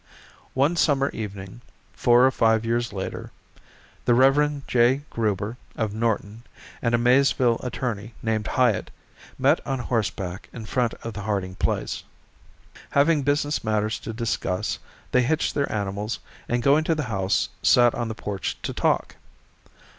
One summer evening, four or five years later, the Rev. J. Gruber, of Norton, and a Maysville attorney named Hyatt met on horseback in front of the Harding place. Having business matters to discuss, they hitched their animals and going to the house sat on the porch to talk.